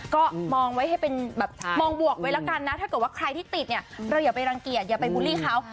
ก็มองไว้ให้เป็นแบบมองบวกไว้แล้วกันนะถ้าเกิดว่าใครที่ติดเนี่ยเราอย่าไปรังเกียจอย่าไปบูลลี่เขา